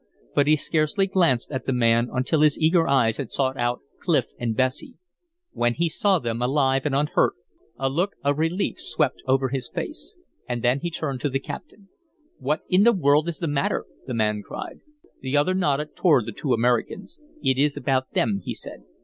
But he scarcely glanced at the man until his eager eyes had sought out Clif and Bessie. When he saw them alive and unhurt a look of relief swept over his face. And then he turned to the captain. "What in the world is the matter?" the man cried. The other nodded toward the two Americans. "It is about them," he said.